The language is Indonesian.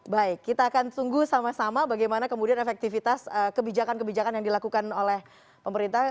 baik kita akan tunggu sama sama bagaimana kemudian efektivitas kebijakan kebijakan yang dilakukan oleh pemerintah